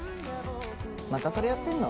またそれやってんの？